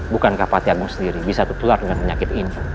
bukankah pati agung sendiri bisa tertular dengan penyakit ini